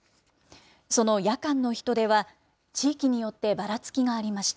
その夜間の人出は、地域によってばらつきがありました。